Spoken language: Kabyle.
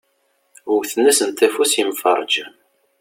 Wwten-asent afus yemferrǧen.